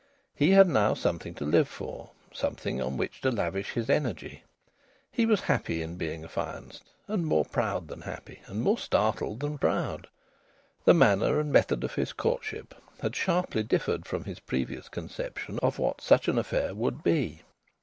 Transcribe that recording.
He had now something to live for, something on which to lavish his energy. He was happy in being affianced, and more proud than happy, and more startled than proud. The manner and method of his courtship had sharply differed from his previous conception of what such an affair would be.